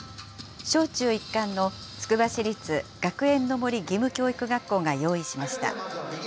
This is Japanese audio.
小中一貫のつくば市立学園の森義務教育学校が用意しました。